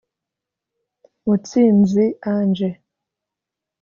Mutsinzi Ange